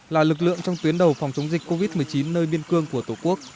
là lực lượng trong tuyến đầu phòng chống dịch covid một mươi chín nơi biên cương của tổ quốc